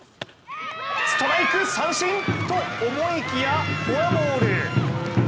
ストライク、三振と思いきやフォアボール。